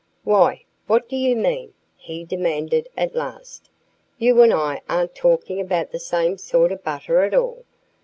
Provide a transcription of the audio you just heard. "Why, what do you mean?" he demanded at last. "You and I aren't talking about the same sort of butter at all!